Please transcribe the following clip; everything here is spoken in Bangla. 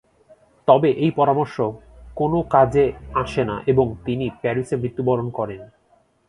তবে এই পরামর্শ কোন কাজে আসে না এবং তিনি প্যারিসে মৃত্যুবরণ করেন।